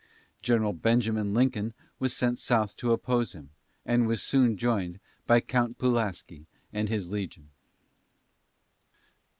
General Benjamin Lincoln was sent south to oppose him, and was soon joined by Count Pulaski and his legion.